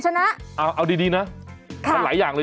ใช้เมียได้ตลอด